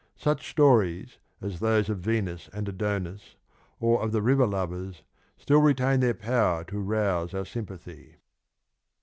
Such stories as those of Venus and Adonis, or of the river lovers, still retain their power to rouse our sympathy.